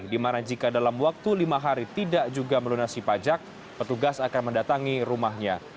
di mana jika dalam waktu lima hari tidak juga melunasi pajak petugas akan mendatangi rumahnya